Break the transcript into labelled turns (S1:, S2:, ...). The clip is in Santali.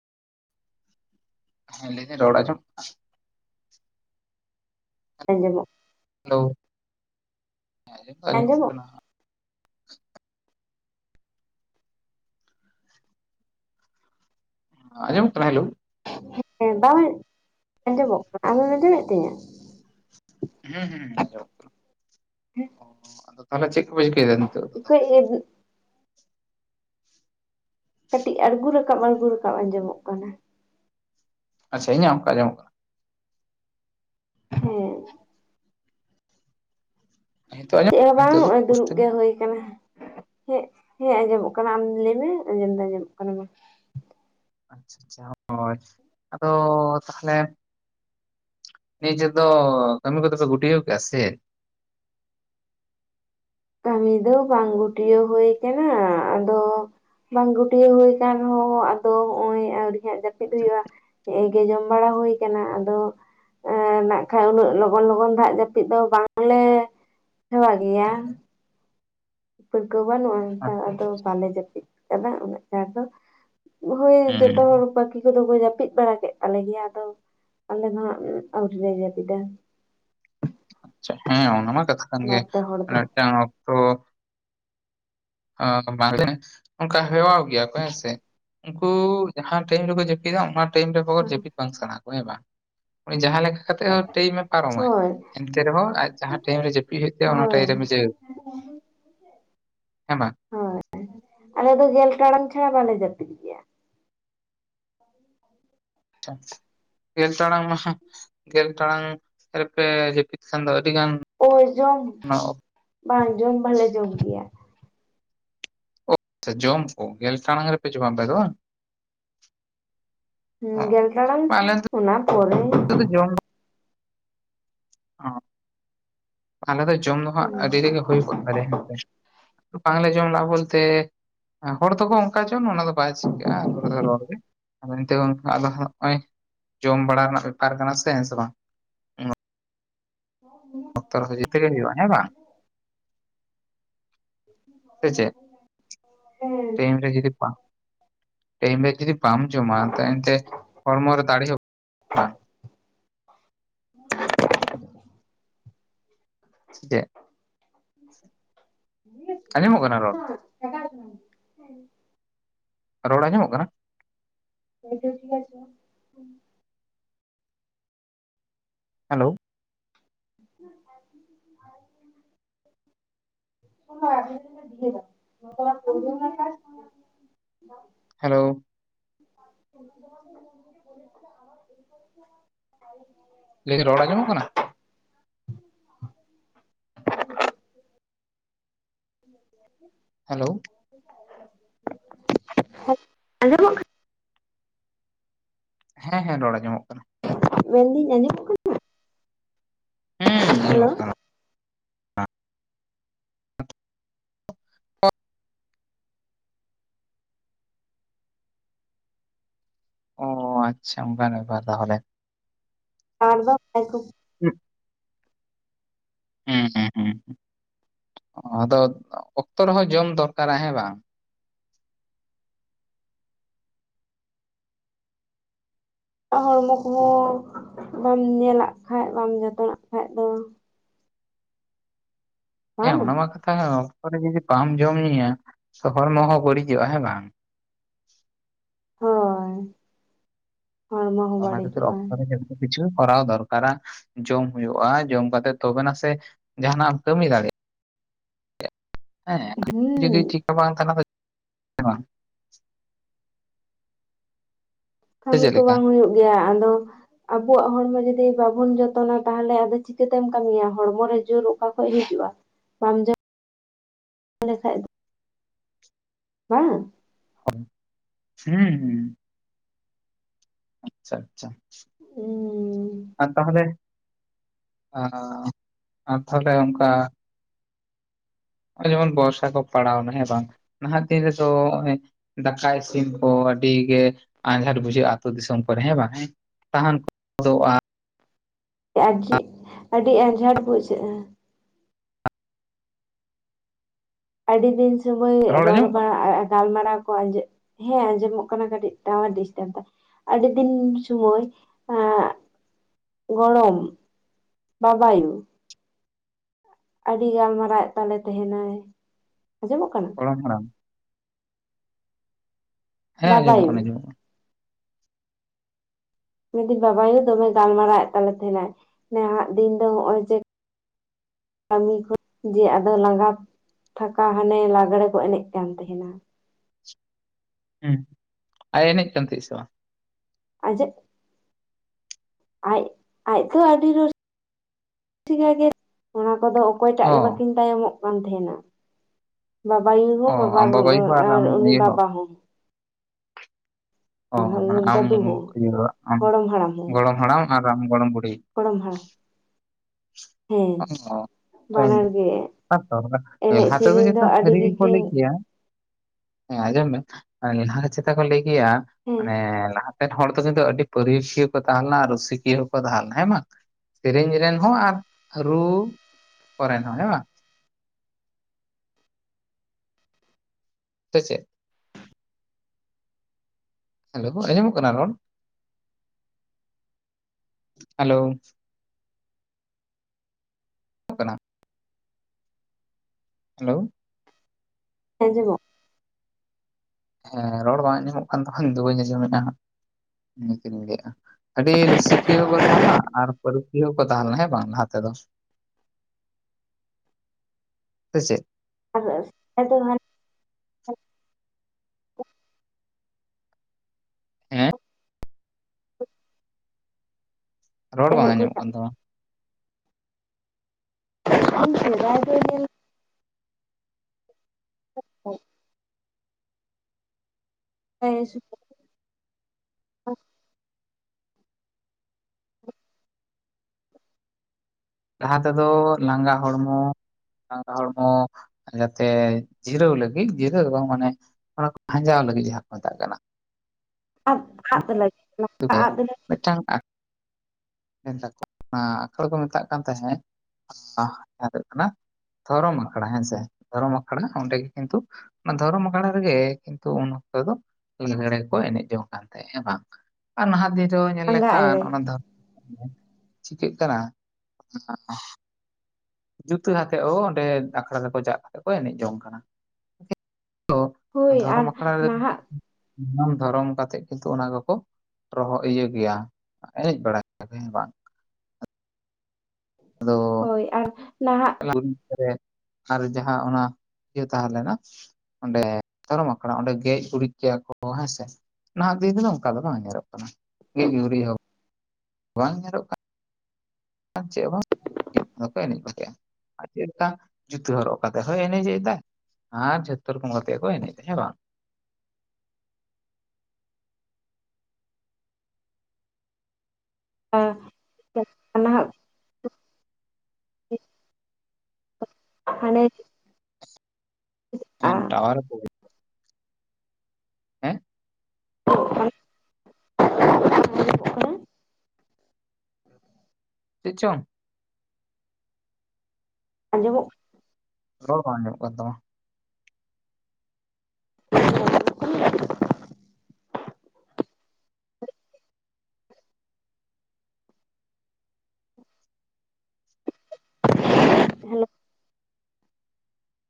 S1: ᱦᱮᱸ ᱞᱟᱹᱭ ᱫᱟᱧ ᱨᱚᱲ ᱟᱡᱚᱢᱚᱜ ᱠᱟᱱᱟ?
S2: ᱟᱡᱚᱢᱚᱜ
S1: ᱦᱮᱞᱳ ᱟᱡᱚᱢ ᱫᱚ ᱟᱡᱚᱢᱚᱜ
S2: ᱟᱸᱡᱚᱢᱚᱜ
S1: ᱠᱟᱱᱟ ᱦᱟᱜ᱾ ᱟᱡᱚᱢᱚᱜ ᱠᱟᱱᱟ ᱦᱮᱞᱳ?
S2: ᱦᱮᱸ ᱵᱟᱝ ᱟᱸᱡᱚᱢᱚᱜ ᱠᱟᱱᱟ ᱟᱢᱮᱢ ᱟᱸᱡᱚᱢᱮᱫ ᱛᱤᱧᱟᱹ?
S1: ᱦᱩ ᱦᱩ ᱟᱸᱡᱚᱢᱚᱜ ᱠᱟᱱᱟ ᱟᱫᱚ ᱛᱟᱦᱚᱞᱮ ᱪᱮᱫ ᱠᱚᱯᱮ ᱪᱤᱠᱟᱹᱭ ᱫᱟ ᱱᱤᱛᱚᱜ ᱨᱮ ᱫᱚ
S2: ᱠᱟᱹᱡ
S1: ᱛᱟᱦᱞᱮ?
S2: ᱠᱟᱹᱴᱤᱡ ᱟᱲᱜᱩ ᱨᱟ ᱠᱟᱵ ᱟᱬᱜᱩ ᱨᱟᱠᱟᱵ ᱟᱸᱡᱚᱢᱚᱜ ᱠᱟᱱᱟ᱾
S1: ᱟᱪᱪᱷᱟ ᱤᱧᱟᱜ ᱚᱱᱠᱟ ᱟᱡᱚᱢᱚᱜᱼᱟ᱾
S2: [unintelligible]
S1: ᱱᱤᱛᱚᱜ
S2: ᱪᱮᱫ
S1: ᱟᱸᱡᱚᱢᱚᱜ
S2: ᱦᱚᱸ
S1: ᱠᱟᱱᱟ
S2: ᱵᱟᱝ
S1: ᱱᱤᱛᱚᱜ ᱫᱚ
S2: ᱦᱚᱜ-ᱚᱜ
S1: ᱯᱩᱥᱴᱟᱹ
S2: ᱫᱩᱲᱩᱵ ᱜᱮ
S1: ᱧᱚᱜ
S2: ᱦᱳᱭ, ᱠᱟᱱᱟ ᱦᱮᱸ ᱦᱮᱸ, ᱟᱸᱡᱚᱢᱚᱜ ᱠᱟᱱᱟ ᱟᱢ ᱞᱟᱹᱭᱢᱮ ᱟᱸᱡᱚᱢ ᱫᱚ ᱟᱸᱡᱚᱢᱚᱜ ᱠᱟᱱᱟ ᱾
S1: ᱟᱪᱪᱷᱟ ᱟᱪᱪᱷᱟ ᱦᱳᱭ, ᱟᱫᱚ ᱛᱟᱦᱚᱞᱮ ᱱᱤᱭᱟᱹ ᱪᱷᱚᱴ ᱫᱚ ᱠᱟᱹᱢᱤ ᱠᱚ ᱫᱚ ᱜᱩᱴᱭᱟᱹᱣ ᱠᱮᱜ-ᱟ ᱥᱮ ᱪᱮᱫ?
S2: ᱠᱟᱹᱢᱤ ᱫᱚ ᱵᱟᱝ ᱜᱩᱴᱭᱟᱹᱣ ᱦᱳᱭ ᱠᱟᱱᱟ ᱟᱫᱚ ᱵᱟᱝ ᱜᱩᱴᱭᱟᱹᱣ ᱦᱳᱭ ᱟᱠᱟᱱ ᱨᱮ ᱦᱚᱸ ᱟᱫᱚ ᱱᱚᱜ-ᱚᱭ ᱟᱹᱣᱨᱤ ᱦᱟᱸᱜ ᱡᱟᱹᱯᱤᱫ ᱦᱳᱭᱳᱜᱼᱟ ᱾ ᱜᱮ ᱡᱚᱢ ᱵᱟᱲᱟ ᱦᱳᱭ ᱟᱠᱟᱱᱟ, ᱟᱫᱚ ᱱᱟᱜ ᱠᱷᱟᱡ ᱩᱱᱟᱹᱜ ᱞᱚᱜᱚᱱ ᱞᱚᱜᱚᱱ ᱫᱟᱜ ᱡᱟᱯᱤᱫ ᱫᱚ ᱵᱟᱝ ᱞᱮ ᱦᱮᱣᱟ ᱜᱮᱭᱟ, ᱯᱟᱹᱨᱠᱟᱹᱣ ᱵᱟᱹᱱᱩᱜᱼᱟ
S1: ᱪᱮᱫ
S2: ᱱᱮᱛᱟᱨ ᱟᱫᱚ ᱵᱟᱞᱮ ᱡᱟᱹᱯᱤᱫ ᱠᱟᱫᱟ ᱩᱱᱟᱹᱜ ᱪᱟᱨ ᱫᱚ ᱦᱳᱭ,
S1: ᱦᱩᱸ
S2: ᱡᱚᱛᱚ ᱦᱚᱲ ᱯᱟᱠᱤ ᱱᱩᱠᱩ ᱠᱚ ᱫᱚ ᱠᱚ ᱡᱟᱹᱯᱤᱫ ᱵᱟᱲᱟ ᱠᱮᱫ ᱛᱟᱞᱮ ᱜᱮᱭᱟ ᱟᱫᱚ ᱟᱞᱮ ᱫᱚ ᱦᱟᱸᱜ ᱟᱹᱣᱨᱤ ᱞᱮ ᱡᱟᱹᱯᱤᱫᱟ ᱾
S1: ᱟᱪᱪᱷᱟ, ᱦᱮᱸ ᱚᱱᱟᱢᱟ ᱠᱟᱛᱷᱟ ᱠᱟᱱ ᱜᱮ
S2: ᱵᱟᱨ ᱯᱮ ᱦᱚᱲ ᱫᱚ
S1: ‌ᱢᱟᱱᱮ ᱢᱤᱫ ᱴᱟᱝ ᱚᱠᱛᱚ [inaudible] ᱚᱝᱠᱟ ᱦᱮᱣᱟᱣ ᱜᱮᱭᱟ ᱠᱚ ᱦᱮ ᱥᱮ? ᱩᱱᱠᱩ ᱡᱟᱦᱟᱸ ᱴᱟᱭᱤᱢ ᱨᱮ ᱠᱚ ᱡᱟᱹᱯᱤᱫᱟ ᱚᱱᱟ ᱴᱟᱭᱤᱢ ᱨᱮ ᱵᱷᱚᱨ ᱡᱟᱹᱯᱤᱫ ᱵᱟᱝ ᱥᱟᱱᱟ ᱠᱚᱣᱟ ᱦᱮᱸ ᱵᱟᱝ? ᱳᱭ ᱡᱟᱦᱟᱸ ᱞᱮᱠᱟ, ᱠᱟᱛᱮ ᱦᱚᱸ ᱴᱟᱭᱤᱢᱮ ᱯᱟᱨᱚᱢᱟᱭ
S2: ᱦᱳᱭ
S1: ᱮᱱᱛᱮ ᱨᱮ ᱦᱚᱸ ᱟᱡ ᱡᱟᱦᱟᱸ ᱴᱟᱭᱤᱢ ᱨᱮ ᱡᱟᱹᱯᱤᱫ ᱦᱳᱭᱳᱜ ᱛᱟᱭᱟ ᱚᱱᱟ
S2: ᱦᱳᱭ
S1: ᱴᱟᱭᱤᱢ ᱨᱮ ᱵᱩᱡᱷᱟᱹᱣ
S2: [unintelligible]
S1: ᱦᱮᱸ ᱵᱟᱝ?
S2: ᱦᱳᱭ, ᱟᱞᱮ ᱫᱚ ᱜᱮᱞ ᱴᱟᱲᱟᱝ ᱪᱷᱟᱲᱟ ᱵᱟᱞᱮ ᱡᱟᱹᱯᱤᱫ-ᱟ ᱾
S1: ᱟᱪᱪᱷᱟ, ᱜᱮᱞ ᱴᱟᱲᱟᱝ ᱢᱟ ᱜᱮᱞ ᱴᱟᱲᱟᱝ ᱨᱮ ᱯᱮ ᱡᱟᱯᱤ ᱠᱷᱟᱱ ᱫᱚ ᱟᱹᱰᱤ ᱜᱟᱱ,
S2: ᱳᱞ ᱡᱚᱢ, ᱵᱟᱝ ᱡᱚᱢ ᱵᱟᱞᱮ ᱡᱚᱢ ᱜᱮᱭᱟ,
S1: ᱡᱚᱢ ᱠᱚ ᱜᱮᱞ ᱴᱟᱨᱟᱝ ᱨᱮ ᱯᱮ ᱡᱚᱢᱟ ᱟᱯᱮ ᱫᱚ ᱵᱟᱝ?
S2: ᱦᱩᱸ,
S1: ᱚ
S2: ᱜᱮᱞ ᱴᱟᱲᱟᱝ ᱚᱱᱟ ᱯᱚᱨᱮ
S1: ᱡᱚᱢ‌ ᱫᱚ, ᱚ ᱟᱞᱮ ᱫᱚ ᱡᱚᱢ ᱫᱚ ᱦᱟᱸᱜ ᱟᱹᱰᱤ
S2: ᱟᱸᱡᱚᱢᱚᱜ
S1: ᱨᱮ ᱜᱮ ᱦᱳᱭ ᱠᱚᱜ ᱛᱟᱞᱮᱭᱟ ᱦᱮᱸ ᱥᱮ? ᱵᱟᱝ ᱞᱮ ᱡᱮᱢ ᱞᱮᱜ-ᱟ ᱵᱳᱞᱛᱮ, ᱮ ᱦᱚᱲ ᱫᱚ ᱠᱚ ᱚᱝᱠᱟ ᱦᱚᱪᱚᱱ ᱚᱱᱟ ᱫᱚ ᱵᱟᱭ ᱪᱤᱠᱟᱹᱜᱼᱟ ᱨᱚᱲ ᱜᱮ ᱟᱫᱚ ᱱᱤᱛᱚ ᱟᱫᱚ ᱱᱚᱜᱼᱚᱭ ᱡᱚᱢ ᱵᱟᱲᱟ ᱨᱮᱱᱟᱜ ᱵᱮᱯᱟᱨ ᱠᱟᱱᱟ ᱥᱮ ᱦᱮᱸ ᱥᱮ ᱵᱟᱝ?
S2: [unintelligible]
S1: ᱵᱷᱚᱠᱛᱚᱨᱚ ᱦᱤᱜᱩᱜ ᱛᱮ ᱜᱮ ᱦᱩᱭᱩᱜ ᱦᱮᱸ ᱵᱟᱝ? ᱥᱮ ᱪᱮᱫ, ᱴᱮᱭᱤᱢ ᱨᱮ ᱡᱩᱫᱤ ᱵᱟᱢ ᱾ ᱴᱟᱭᱤᱢ ᱨᱮ ᱡᱩᱫᱤ ᱵᱟᱢ ᱡᱚᱢᱟ ᱛᱟᱱᱮ ᱛᱮ ᱦᱚᱲᱢᱚ ᱨᱮ ᱫᱟᱲᱮ ᱦᱚ ᱵᱟᱝ ᱾
S2: [unintelligible]
S1: ᱥᱮᱪᱮᱫ,
S2: [unintelligible]
S1: ᱟᱸᱡᱚᱢᱚᱜ ᱠᱟᱱᱟ ᱨᱚᱲ?
S2: [inaudible]
S1: ᱨᱚᱲ ᱟᱸᱚᱢᱚᱜ ᱠᱟᱱᱟ?
S2: [inaudible]
S1: ᱦᱮᱞᱳ,
S2: [unintelligible] [inaudible]
S1: ᱦᱮᱞᱳ
S2: [unintelligible]
S1: ᱞᱟᱹᱭ ᱫᱟᱹᱧ ᱨᱚᱲ ᱟᱸᱡᱚᱢᱚᱜ ᱠᱟᱱᱟ?
S2: [unintelligible]
S1: ᱦᱮᱞᱳ
S2: [unintelligible] ᱟᱡᱚᱢᱚᱜ ᱠᱟ
S1: ᱦᱮᱸ ᱦᱮᱸ ᱨᱚᱲ ᱟᱸᱡᱚᱢᱚᱜ ᱠᱟᱱᱟ ᱾
S2: ᱢᱮᱱᱫᱟᱹᱧ ᱟᱡᱚᱢᱚᱢ ᱠᱟᱱᱟ?
S1: ᱦᱮᱸ
S2: ᱦᱮᱞᱳ
S1: ᱟᱡᱚᱢᱚᱜ ᱠᱟᱱᱟ ᱾ [unintelligible] ᱚᱻ ᱟᱪᱪᱷᱟ ᱚᱱᱠᱟ ᱵᱮᱯᱟᱨ ᱛᱟᱦᱚᱞᱮ᱾
S2: ᱟᱨ ᱫᱚ [unintelligible]
S1: ᱦᱩᱸ ᱦᱩᱸ ᱦᱩᱸ ᱦᱩᱸ ᱟᱫᱚ ᱚᱠᱛᱚ ᱨᱮ ᱦᱚᱸ ᱡᱚᱢ ᱫᱚᱨᱠᱟᱨᱟᱭ ᱦᱮᱸ ᱵᱟᱝ?
S2: ᱦᱚᱲᱢᱚ ᱠᱚ ᱦᱚᱸ ᱵᱟᱢ ᱧᱮᱞᱟᱜ ᱠᱷᱟᱡ ᱵᱟᱢ ᱡᱚᱛᱚᱱᱟᱜ ᱠᱷᱟᱡ ᱫᱚ?
S1: ᱦᱮᱸ
S2: ᱵᱟᱝ
S1: ᱚᱱᱟ ᱢᱟ ᱠᱟᱛᱷᱟ ᱚᱠᱛᱚ ᱨᱮ ᱡᱩᱫᱤ ᱵᱟᱢ ᱡᱚᱢ ᱧᱩᱭᱟ ᱛᱚ ᱦᱚᱲᱢᱚ ᱦᱚᱸ ᱵᱟᱲᱤᱡᱚᱜ-ᱟ ᱦᱮᱸ ᱵᱟᱝ?
S2: ᱦᱳᱭ ᱦᱚᱲᱢᱚ ᱦᱚ
S1: ᱚᱱᱟ ᱠᱷᱟᱹᱛᱤᱨ
S2: ᱵᱟᱨᱤᱡᱚᱜ-ᱟ
S1: ᱚᱠᱛᱚ ᱨᱮ
S2: ᱾
S1: ᱡᱚᱛᱚ ᱠᱤᱪᱷᱩ ᱠᱚᱨᱟᱣ ᱫᱚᱨᱠᱟᱨᱟ ᱾ ᱡᱚᱢ ᱦᱳᱭᱳᱜ-ᱟ ᱡᱚᱢ ᱠᱟᱛᱮᱜ ᱛᱚᱵᱮ ᱱᱟᱥᱮ ᱡᱟᱦᱟᱱᱟᱜ ᱮᱢ ᱠᱟᱢᱤ ᱫᱟᱲᱮᱜ ᱦᱮᱸ [inaudible] ᱡᱩᱫᱤ
S2: ᱦᱩᱸ
S1: ᱴᱷᱤᱠ ᱴᱷᱟᱠ ᱵᱟᱝ ᱛᱟᱦᱮᱱᱟ ᱵᱟᱝ ᱥᱮ
S2: ᱠᱟᱢᱤ
S1: ᱪᱮᱫ
S2: ᱠᱚ
S1: ᱞᱮᱠᱟ?
S2: ᱵᱟᱝ ᱦᱩᱭᱩᱜ ᱜᱮᱭᱟ ᱟᱫᱚ ᱟᱵᱚᱣᱟᱜ ᱦᱚᱲᱢᱚ ᱡᱩᱫᱤ ᱵᱟᱵᱚᱱ ᱡᱚᱛᱚᱱᱟ ᱛᱟᱦᱚᱞᱮ ᱟᱫᱚ ᱪᱤᱠᱟᱹᱛᱮᱢ ᱠᱟᱢᱤᱭᱟ ᱦᱚᱲᱢᱚ ᱨᱮ ᱡᱳᱨ ᱚᱠᱟ ᱠᱷᱚᱡ ᱦᱤᱡᱩᱜ-ᱟ? ᱵᱟᱢᱡᱟ [inaudible] ᱞᱮᱠᱟᱡ ᱫᱚ ᱵᱟᱝ
S1: [unintelligible] ᱦᱩᱸ ᱦᱩᱸ ᱟᱪᱪᱷᱟ ᱟᱪᱪᱷᱟ
S2: [unintelligible]
S1: ᱟᱨ ᱛᱟᱦᱚᱞᱮ ᱟᱻ ᱟᱨ ᱛᱟᱦᱚᱞᱮ ᱚᱱᱠᱟ᱾ ᱱᱚᱜ-ᱚᱭ ᱡᱮᱢᱚᱱ ᱵᱚᱨᱥᱟ ᱠᱚ ᱯᱟᱲᱟᱣᱱᱟ ᱦᱮᱸ ᱵᱟᱝ ᱱᱟᱦᱟᱜ ᱫᱤᱱ ᱨᱮᱫᱚ ᱱᱚᱜᱚᱭ ᱫᱟᱠᱟ ᱤᱥᱤᱱ ᱠᱚ ᱟᱰᱤ ᱜᱮ ᱟᱸᱡᱷᱟᱴ ᱵᱩᱡᱷᱟᱹᱜ-ᱟ ᱟᱛᱳ ᱫᱤᱥᱚᱢ ᱠᱚᱨᱮ ᱦᱮᱸ ᱵᱟᱝ ᱦᱮ? ᱥᱟᱦᱟᱱ ᱠᱚ [inaudible] ᱫᱚ-ᱟ
S2: ᱟᱨᱡᱤ ᱟᱰᱤ ᱟᱡᱷᱟᱴ ᱵᱩᱡᱷᱟᱹᱜ-ᱟ ᱾ ᱟᱰᱤ ᱫᱤᱱ ᱥᱩᱢᱟᱹᱭ ᱨᱚᱲ
S1: ᱟᱸᱡᱚᱢᱚᱜ
S2: ᱵᱟ
S1: ᱠᱟᱱᱟ?
S2: ᱜᱟᱞᱢᱟᱨᱟᱣ ᱠᱚ ᱟᱡᱮᱜ ᱦᱮᱸ ᱟᱡᱚᱢᱚᱜ ᱠᱟᱱᱟ ᱠᱟᱴᱤᱡ ᱴᱟᱣᱟᱨ ᱰᱤᱥᱴᱟᱵᱽᱫᱟ᱾ ᱟᱰᱤ ᱫᱤᱱ ᱥᱩᱢᱚᱭ ᱵᱟ ᱜᱚᱲᱚᱢ ᱵᱟᱵᱟᱭᱩ ᱟᱹᱰᱤ ᱜᱟᱞ ᱢᱟᱨᱟᱣᱮᱫ ᱛᱟᱞᱮ ᱛᱟᱦᱮᱱᱟᱭ ᱟᱸᱡᱚᱢᱚᱜ ᱠᱟᱱᱟ?
S1: ᱜᱚᱲᱚᱢ ᱦᱟᱲᱟᱢ ᱦᱮᱸ ᱟᱸᱡᱚᱢᱚᱜ
S2: ᱵᱟᱵᱟᱭᱩ
S1: ᱠᱟᱱᱟ ᱟᱸᱡᱚᱢᱚᱜ ᱠᱟᱱᱟ
S2: ᱢᱮᱱᱫᱟᱹᱧ ᱵᱟᱵᱟᱭᱩ ᱫᱚᱢᱮ ᱜᱟᱞᱢᱟᱨᱟᱣᱮᱫ ᱛᱟᱞᱮ ᱛᱟᱦᱮᱸᱱᱟᱭ ᱱᱟᱦᱟᱜ ᱫᱤᱱ ᱫᱚ ᱱᱚᱜ-ᱚᱭ ᱡᱮ ᱠᱟᱹᱢᱤ ᱠᱷᱚ ᱡᱮ ᱟᱫᱚ ᱞᱟᱸᱜᱟ ᱛᱷᱟᱠᱟ ᱦᱟᱱᱮ ᱞᱟᱜᱽᱲᱮ ᱠᱚ ᱮᱱᱮᱡ ᱠᱟᱱ ᱛᱟᱦᱮᱱᱟ᱾
S1: ᱦᱩᱸ ᱟᱡ ᱮ ᱮᱱᱮᱡ ᱠᱟᱱ ᱛᱟᱦᱮᱱᱟ ᱥᱮ ᱵᱟ?
S2: ᱟᱸᱡᱟᱜ ᱟᱡ ᱟᱡ ᱫᱚ ᱟᱹᱰᱤ ᱨᱩᱥᱤ [inaudible] ᱥᱤ ᱠᱟ ᱜᱮ ᱚᱱᱟ ᱠᱚᱫᱚ
S1: ᱚ
S2: ᱚᱠᱚᱭᱴᱟᱜ ᱜᱮ ᱵᱟᱹᱠᱤᱱ ᱛᱟᱭᱚᱢᱚᱜ ᱠᱟᱱ ᱛᱟᱦᱮᱱᱟ ᱵᱟᱵᱟᱭᱩ ᱦᱚᱸ
S1: ᱚ
S2: ᱵᱟᱵᱟ
S1: ᱟᱢ ᱟᱭᱳ
S2: ᱟᱨ
S1: ᱟᱢ
S2: ᱩᱱᱤ
S1: ᱤᱭᱟᱹ
S2: ᱵᱟᱵᱟ ᱦᱚᱸ
S1: ᱚ ᱢᱟᱱᱮ
S2: ᱦᱚᱸ
S1: ᱟᱢ
S2: ᱫᱟᱫᱩ ᱦᱚᱸ
S1: ᱤᱭᱟᱹ ᱟᱢ
S2: ᱜᱚᱲᱚᱢ ᱦᱟᱲᱟᱢ ᱦᱚᱸ
S1: ᱜᱚᱲᱚᱢ ᱦᱟᱲᱟᱢ ᱟᱨ ᱟᱢ ᱜᱚᱲᱚᱢ ᱵᱩᱰᱦᱤ
S2: ᱜᱚᱲᱚᱢ ᱦᱟᱲᱟᱢ ᱦᱮᱸ
S1: [unintelligible] ᱠᱟᱜ ᱜᱮ ᱟᱫᱚ
S2: ᱮᱱᱮᱡ
S1: ᱞᱟᱦᱟ ᱛᱮᱫ
S2: ᱥᱮᱨᱮᱧ ᱫᱚ ᱟᱹᱰᱤ
S1: ᱥᱟᱹᱨᱤ ᱜᱮᱠ
S2: ᱜᱮᱠᱤᱱ
S1: ᱞᱟᱹᱭ ᱠᱮᱭᱟ ᱦᱮᱸ ᱟᱸᱡᱚᱢ ᱢᱮᱱ ᱞᱟᱦᱟ ᱪᱮᱛᱟ ᱠᱚ ᱞᱟᱹᱭ ᱠᱮᱭᱟ
S2: ᱦᱮᱸ
S1: ᱢᱟᱱᱮ ᱞᱟᱦᱟᱼᱼ ᱨᱮᱱ ᱦᱚᱲ ᱫᱚ ᱠᱤᱱᱛᱩ ᱟᱹᱰᱤ ᱯᱟᱹᱨᱟᱹᱭᱟᱹᱥᱤᱭᱟᱹ ᱠᱚ ᱛᱟᱦᱮᱸ ᱞᱮᱱᱟ ᱟᱨ ᱨᱩᱥᱤᱠᱤᱭᱟᱹ ᱦᱚᱸᱠᱚ ᱛᱟᱦᱮᱸ ᱞᱮᱱᱟ ᱦᱮᱸ ᱵᱟᱝ ᱥᱮᱨᱮᱧ ᱨᱮᱱ ᱦᱚᱸ ᱟᱨ ᱨᱩ ᱠᱚᱨᱮᱱ ᱦᱚᱸ ᱦᱮᱸ ᱵᱟᱝ ᱥᱮ ᱪᱮᱫ ᱦᱮᱞᱳ ᱟᱸᱡᱚᱢᱚᱜ ᱠᱟᱱᱟ ᱨᱚᱲ ᱦᱮᱞᱳ [unintelligible] ᱦᱮᱞᱳ
S2: ᱟᱸᱡᱚᱢᱚᱜᱼᱼ
S1: ᱦᱮᱸ ᱨᱚᱲ ᱵᱟᱝ ᱟᱸᱡᱚᱢᱚᱜ ᱠᱟᱱ ᱛᱟᱢ ᱤᱧ ᱫᱚ ᱵᱟᱹᱧ ᱟᱸᱡᱚᱢᱮᱫᱼᱟ ᱚᱱᱟᱛᱤᱧ ᱞᱟᱹᱭᱮᱫᱼᱟ ᱟᱹᱰᱤ ᱨᱩᱥᱤᱠᱤᱭᱟᱹ ᱦᱚᱸᱠᱚ ᱛᱟᱦᱮᱸ ᱞᱮᱱᱟ ᱟᱨ ᱯᱟᱹᱨᱩᱠᱷᱤᱭᱟᱹ ᱦᱚᱸᱠᱚ ᱛᱟᱦᱮᱸ ᱞᱮᱱᱟ ᱦᱮᱸ ᱵᱟᱝ ᱞᱟᱦᱟ ᱛᱮᱫᱚ᱾
S2: [unintelligible]
S1: ᱥᱮ ᱪᱮᱫ
S2: [inaudible]
S1: ᱦᱮᱸ
S2: [unintelligible]
S1: ᱨᱚᱲ ᱵᱟᱝ
S2: ᱮᱱᱮᱡ ᱠᱚ
S1: ᱟᱸᱡᱚᱢᱚᱜ
S2: ᱪᱟᱜ
S1: ᱠᱟᱱ ᱛᱟᱢᱟ᱾
S2: [unintelligible] [unintelligible] ᱦᱮᱸ [unintelligible] [inaudible]
S1: ᱞᱟᱦᱟ ᱛᱮᱫᱚ ᱞᱟᱸᱜᱟ ᱦᱚᱲᱢᱚ ᱞᱟᱸᱜᱟ ᱦᱚᱲᱢᱚᱼᱼ ᱡᱟᱛᱮ ᱡᱤᱨᱟᱹᱣ ᱞᱟᱹᱜᱤᱫ ᱡᱤᱨᱟᱹᱣ ᱫᱚ ᱵᱟᱝ ᱢᱟᱱᱮ ᱚᱱᱟ ᱠᱚ ᱠᱷᱟᱸᱡᱟᱣ ᱞᱟᱹᱜᱤᱫ ᱡᱟᱦᱟᱸ ᱠᱚ ᱢᱮᱛᱟᱜ ᱠᱟᱱᱟ ᱾
S2: [inaudible] ᱞᱟᱹᱜᱤᱫ ᱞᱟᱸᱜᱟ
S1: ᱛᱚᱵᱮ
S2: ᱟᱫ ᱞᱟᱹᱜᱤᱫ
S1: ᱢᱤᱫᱴᱟᱝ [inaudible] [inaudible] ᱚᱱᱟ ᱟᱠᱷᱚᱲ ᱠᱚ ᱢᱮᱛᱟᱜ ᱠᱟᱱ ᱛᱟᱦᱮᱸᱫ [inaudible] ᱦᱩᱭᱩᱜ ᱠᱟᱱᱟ᱾ ᱫᱷᱚᱨᱚᱢ ᱟᱠᱷᱲᱟ ᱦᱮᱸ ᱥᱮ ᱫᱷᱚᱨᱚᱢ ᱟᱠᱷᱲᱟ ᱚᱸᱰᱮ ᱜᱮ ᱠᱤᱱᱛᱩᱼᱼ ᱚᱱᱟ ᱫᱷᱚᱨᱚᱢ ᱟᱠᱷᱲᱟ ᱨᱮᱜᱮ ᱠᱤᱱᱛᱩ ᱩᱱ ᱚᱠᱛᱚ ᱫᱚ ᱞᱟᱜᱽᱲᱮ ᱜᱮᱠᱚ ᱮᱱᱮᱡ ᱡᱚᱝ ᱠᱟᱱ ᱛᱟᱦᱮᱸᱱ ᱦᱮᱸ ᱵᱟᱝ᱾ ᱟᱨ ᱱᱟᱦᱟᱜ ᱫᱤᱱ ᱨᱮᱦᱚ ᱧᱮᱞ
S2: ᱞᱟᱸᱜᱟ
S1: ᱞᱮᱠᱷᱟᱱ
S2: ᱮᱲᱮ
S1: ᱚᱱᱟ ᱫᱚᱼᱼ ᱪᱤᱠᱟᱹᱜ ᱠᱟᱱᱟ [inaudible] ᱡᱩᱛᱟᱹ ᱟᱛᱮ ᱦᱚᱸ ᱚᱸᱰᱮ ᱟᱠᱷᱲᱟ ᱨᱮᱠᱚ ᱪᱟᱜ ᱠᱟᱛᱮᱜ ᱠᱚ ᱮᱱᱮᱡ ᱡᱚᱝ ᱠᱟᱱᱟ᱾ ᱛᱚ
S2: ᱦᱳᱭ
S1: ᱫᱷᱚᱨᱚᱢ
S2: ᱟᱨ
S1: ᱟᱠᱷᱲᱟ ᱨᱮᱼᱼ
S2: ᱱᱟᱦᱟᱜ
S1: ᱥᱟᱱᱟᱢ ᱫᱷᱚᱨᱚᱢ ᱠᱟᱛᱮᱜ ᱠᱤᱱᱛᱩ ᱚᱱᱟ ᱫᱚᱠᱚ ᱨᱚᱦᱚ ᱤᱭᱟᱹ ᱜᱮᱭᱟ ᱮᱱᱮᱡ ᱵᱟᱲᱟᱜ ᱦᱮᱸ ᱵᱟᱝ
S2: ᱦᱳᱭ ᱟᱨ ᱱᱟᱦᱟᱜ
S1: [unintelligible] ᱨᱮ ᱟᱨ ᱡᱟᱦᱟᱸ ᱚᱱᱟ ᱤᱭᱟᱹ ᱛᱟᱦᱮᱸ ᱞᱮᱱᱟᱼᱼ ᱚᱸᱰᱮ ᱫᱷᱟᱨᱚᱢ ᱟᱠᱷᱲᱟ ᱚᱸᱰᱮ ᱜᱮᱡ ᱜᱩᱨᱤᱡ ᱜᱮᱭᱟ ᱠᱚ ᱦᱮᱸ ᱥᱮ᱾ ᱱᱟᱦᱟᱜ ᱫᱤᱱᱫᱚ ᱱᱟᱜ ᱚᱱᱠᱟ ᱫᱚ ᱵᱟᱝ ᱧᱮᱞᱚᱜ ᱠᱟᱱᱟ ᱜᱮᱡ ᱜᱩᱨᱤᱡ ᱦᱚᱸᱼᱼ ᱵᱟᱝ ᱧᱮᱞᱚᱜ ᱠᱟᱱ [inaudible] ᱪᱮᱫ ᱵᱟᱝ ᱫᱚᱠᱚ ᱮᱱᱮᱡ [inaudible] ᱵᱷᱟᱜᱤᱼᱟ᱾ ᱟᱨ ᱪᱮᱫ ᱞᱮᱠᱟ ᱡᱩᱛᱟᱹ ᱦᱚᱨᱚᱜ ᱠᱟᱛᱮ ᱦᱚᱭ ᱮᱱᱮᱡ ᱮᱫᱟᱭ᱾ ᱟᱨ ᱡᱷᱚᱛᱚ ᱨᱚᱠᱚᱢ ᱠᱟᱛᱮ ᱦᱚᱸ ᱠᱳ ᱮᱱᱮᱡ ᱫᱟ ᱦᱮ ᱵᱟᱝ᱾
S2: ᱦᱮᱸ [unintelligible] ᱚᱱᱟ ᱦᱟᱜ ᱦᱟᱱᱮ
S1: ᱦᱮᱸ ᱴᱟᱣᱟᱨ-ᱮ ᱯᱨᱚᱵᱞᱮᱢ ᱦᱮᱸ!
S2: [unintelligible] [unintelligible]
S1: ᱪᱮᱫ ᱪᱚᱝ?
S2: ᱟᱸᱡᱢᱚᱜ ᱠᱟᱱᱟ?
S1: ᱨᱚᱲ ᱵᱟᱝ ᱟᱡᱚᱢᱚᱜ ᱠᱟᱱ ᱛᱟᱢᱟ᱾
S2: [unintelligible] ᱦᱮᱞᱳ,